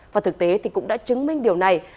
và thực tế cũng đã chứng minh điều này